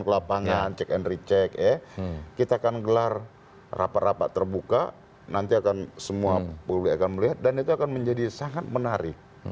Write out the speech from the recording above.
rapat rapat terbuka nanti akan semua publik akan melihat dan itu akan menjadi sangat menarik